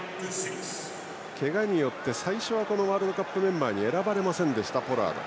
けがによって最初はワールドカップメンバーに選ばれませんでした、ポラード。